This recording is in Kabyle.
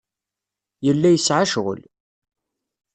Yella yesɛa ccɣel.